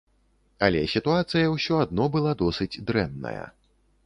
Але сітуацыя ўсё адно была досыць дрэнная.